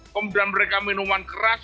kemudian mereka minuman keras